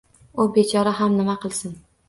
U bechora ham nima qilsin